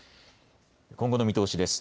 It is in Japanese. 今後の見通しです。